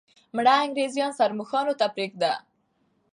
مړه انګریزان ښرموښانو ته پرېږده.